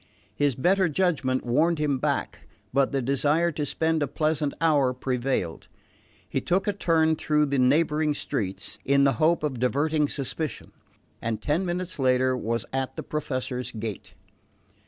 His better judgment warned him back; but the desire to spend a pleasant hour prevailed. He took a turn through the neighbouring streets, in the hope of diverting suspicion, and ten minutes later was at the Professor's gate.